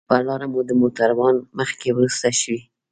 پر لاره مو د ملګرو موټران مخکې وروسته شوي.